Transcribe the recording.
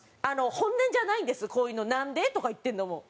本音じゃないんですこういうの「なんで？」とか言ってるのも。